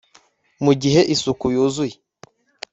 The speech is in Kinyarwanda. mugihe isuku yuzuye